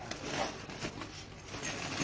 มันจะเผาหน่อย